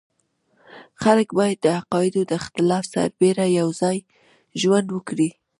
خلک باید د عقایدو د اختلاف سربېره یو ځای ژوند وکړي.